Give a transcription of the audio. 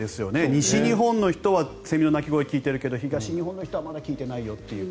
西日本の人はセミの鳴き声聞いているけど東日本の人はまだ聞いていないという。